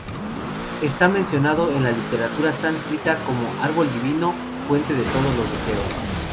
Está mencionado en la literatura sánscrita como árbol divino, fuente de todos los deseos.